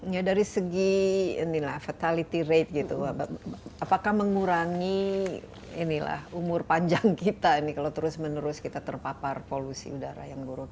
ya dari segi fatality rate gitu apakah mengurangi umur panjang kita ini kalau terus menerus kita terpapar polusi udara yang buruk